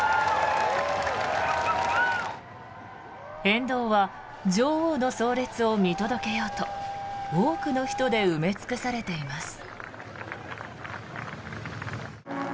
沿道は女王の葬列を見届けようと多くの人で埋め尽くされています。